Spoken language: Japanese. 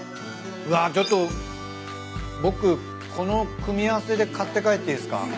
うわちょっと僕この組み合わせで買って帰っていいっすか？